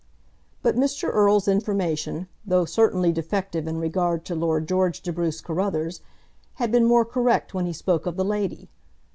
But Mr. Erle's information, though certainly defective in regard to Lord George de Bruce Carruthers, had been more correct when he spoke of the lady.